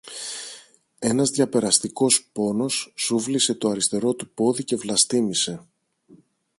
Ένας διαπεραστικός πόνος σούβλισε το αριστερό του πόδι και βλαστήμησε